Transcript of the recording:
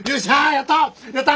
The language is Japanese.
やった！